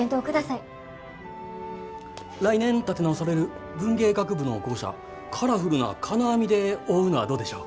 来年建て直される文芸学部の校舎カラフルな金網で覆うのはどうでしょう？